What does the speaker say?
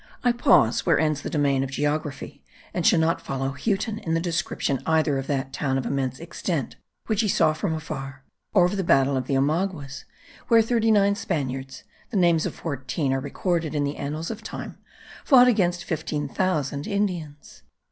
I pause where ends the domain of geography and shall not follow Huten in the description either of that town of immense extent, which he saw from afar; or of the battle of the Omaguas, where thirty nine Spaniards (the names of fourteen are recorded in the annals of the time) fought against fifteen thousand Indians.